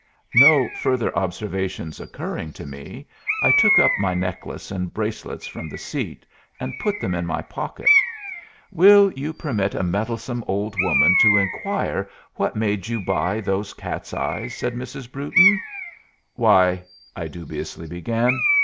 No further observations occurring to me, I took up my necklace and bracelets from the seat and put them in my pocket. "Will you permit a meddlesome old woman to inquire what made you buy those cat's eyes?" said Mrs. Brewton. "Why " I dubiously began.